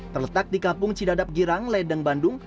terletak di kampung cidadap girang ledeng bandung